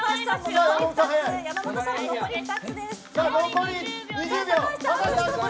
残り２０秒。